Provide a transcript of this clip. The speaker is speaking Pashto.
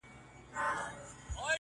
وروسته له ده د چا نوبت وو رڼا څه ډول وه!